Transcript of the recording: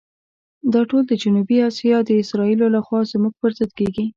دا ټول د جنوبي آسیا د اسرائیلو لخوا زموږ پر ضد کېږي.